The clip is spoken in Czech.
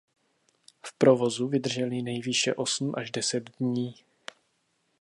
V provozu vydržely nejvýše osm až deset dní.